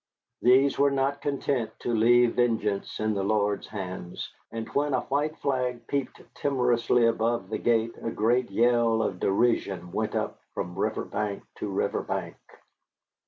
These were not content to leave vengeance in the Lord's hands, and when a white flag peeped timorously above the gate a great yell of derision went up from river bank to river bank.